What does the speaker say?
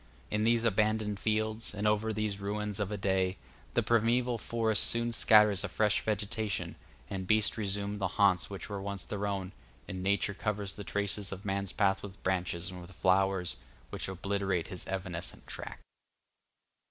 In these abandoned fields, and over these ruins of a day, the primeval forest soon scatters a fresh vegetation, the beasts resume the haunts which were once their own, and Nature covers the traces of man's path with branches and with flowers, which obliterate his evanescent track.